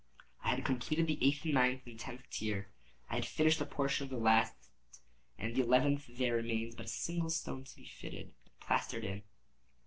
I had completed the eighth, the ninth, and the tenth tier. I had finished a portion of the last and the eleventh; there remained but a single stone to be fitted and plastered in.